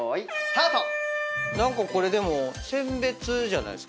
何かこれでも選別じゃないですか？